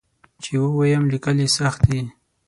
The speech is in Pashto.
چې ووایم لیکل یې سخت دي.